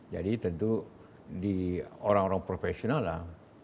jadi tentu di orang orang profesional lah